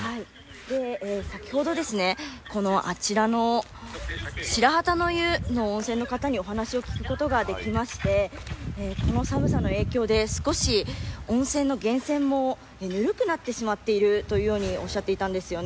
先ほどですね、あちらのしらはたの湯の温泉の方にお話を聞くことができましてこの寒さの影響で少し温泉の源泉もぬるくなってしまっているというようにおっしゃっていたんですよね。